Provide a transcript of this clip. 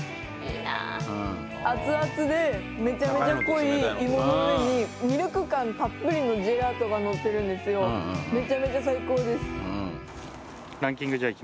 熱々でめちゃめちゃ濃い芋の上にミルク感たっぷりのジェラートがのってるんですよせーの！